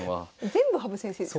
全部羽生先生です。